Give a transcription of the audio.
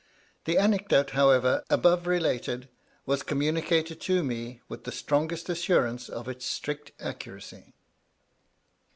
The anecdote, however, above related, was communicated to me with the strongest assurance of its strict accuracy.